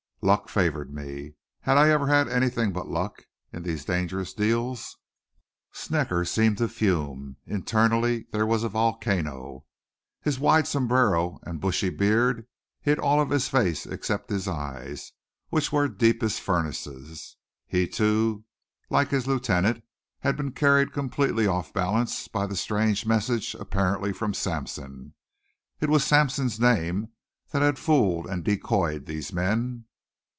Luck favored me. Had I ever had anything but luck in these dangerous deals? Snecker seemed to fume; internally there was a volcano. His wide sombrero and bushy beard hid all of his face except his eyes, which were deepset furnaces. He, too, like his lieutenant, had been carried completely off balance by the strange message apparently from Sampson. It was Sampson's name that had fooled and decoyed these men.